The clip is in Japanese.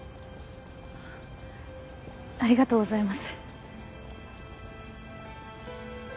ありがとうございます。